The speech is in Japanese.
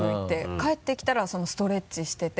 帰ってきたらストレッチしてて。